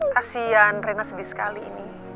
kasian rena sedih sekali ini